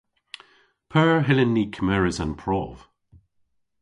P'eur hyllyn ni kemeres an prov?